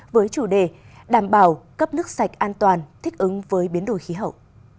với chủ đề đảm bảo cấp nước sạch an toàn thích ứng với biến đổi khí hậu